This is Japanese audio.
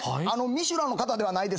『ミシュラン』の方ではないですか？